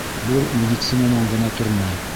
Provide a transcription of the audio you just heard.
— Был медицинанан ғына тормай.